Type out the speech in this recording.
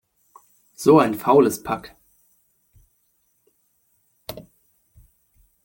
So ein faules Pack!